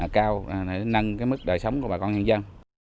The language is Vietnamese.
cao để nâng mức đời sống của bà con nhân dân